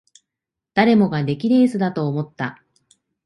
誰もが出来レースだと思った